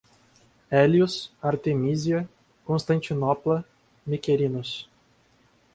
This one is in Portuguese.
Hélios, Artemísia, Constantinopla, Miquerinos